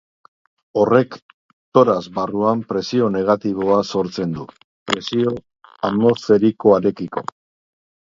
Horrek torax barruan presio negatiboa sortzen du, presio atmosferikoarekiko.